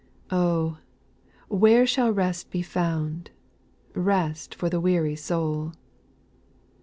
where shall rest be found, \J Rest for the weary soul